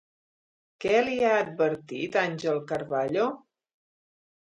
Què li ha advertit Ángel Carballo?